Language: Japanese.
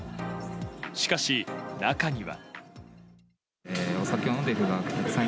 しかし、中には。